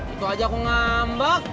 itu aja aku ngambek